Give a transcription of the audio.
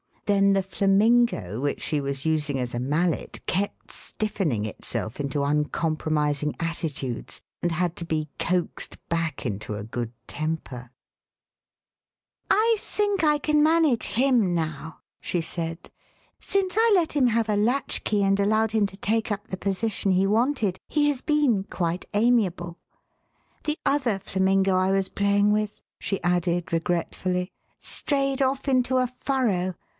Then the flamingo which she was using as a mallet kept stiffening itself into uncompromising attitudes, and had to be coaxed back into a good temper. 35 The Westminster Alice " I think I can manage him now," she said, "since I let him have a latchkey and allowed him to take up the position he wanted he has been quite amiable. The other flamingo I was playing with," she added regret "HOW are you getting on?" asked the CHESHIRE CAT. fully, " strayed off into a furrow.